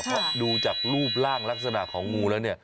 เพราะดูจากรูปร่างลักษณะของงูแล้วเนี่ย